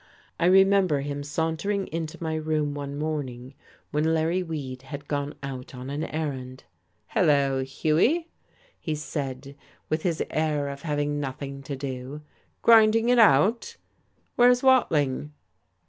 I remember him sauntering into my room one morning when Larry Weed had gone out on an errand. "Hello, Hughie," he said, with his air of having nothing to do. "Grinding it out? Where's Watling?"